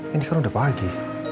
ini kan udah pagi